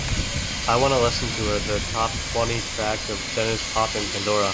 i wanna listen to a the top-twenty track of Denniz Pop in Pandora